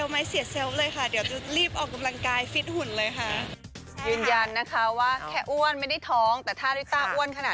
มาดูเลยค่ะไม่มีค่ะ